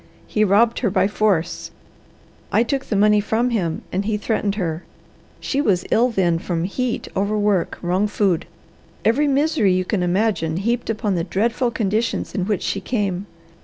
He robbed her by force. I took the money from him, and he threatened her. She was ill then from heat, overwork, wrong food every misery you can imagine heaped upon the dreadful conditions in which she came.